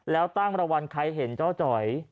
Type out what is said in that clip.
แล้วตั้งรางวัลใครเห็นเจ้าจ๋อย